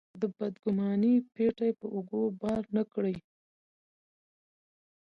د بدګمانۍ پېټی په اوږو بار نه کړي.